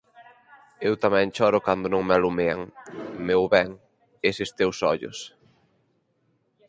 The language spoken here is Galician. Eu tamén choro cando non me alumean, meu ben, eses teus ollos.